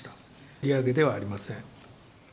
利上げではありません。